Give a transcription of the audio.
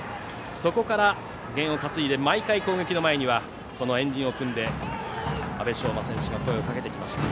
そこから験を担いで毎回、攻撃の前には円陣を組んで、阿部匠真選手が声をかけてきました。